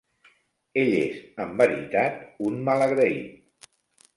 Ell és, en veritat, un malagraït.